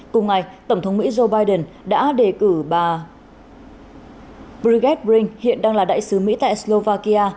cùng ngày tổng thống mỹ joe biden đã đề cử bà priguezbrink hiện đang là đại sứ mỹ tại slovakia